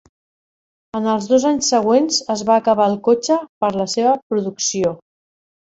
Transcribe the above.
En els dos anys següents es va acabar el cotxe per a la seva producció.